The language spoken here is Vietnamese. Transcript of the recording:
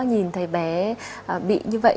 nhìn thấy bé bị như vậy